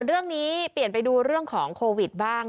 เรื่องนี้เปลี่ยนไปดูเรื่องของโควิดบ้าง